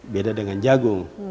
beda dengan jagung